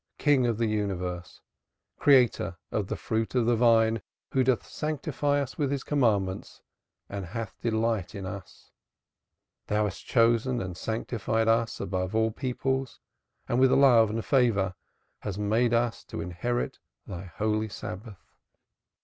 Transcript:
King of the Universe, Creator of the fruit of the vine, who doth sanctify us with His commandments and hath delight in us.... Thou hast chosen and sanctified us above all peoples and with love and favor hast made us to inherit Thy holy Sabbath...."